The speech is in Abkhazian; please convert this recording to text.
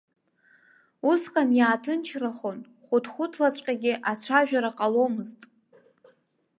Усҟан иааҭынчрахон, хәыҭхәыҭлаҵәҟьагьы ацәажәара ҟаломызт.